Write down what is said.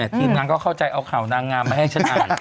ทีมนางก็เข้าใจเอาข่าวนางงามมาให้ฉันอ่าน